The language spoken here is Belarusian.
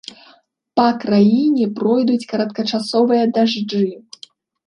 Па краіне пройдуць кароткачасовыя дажджы.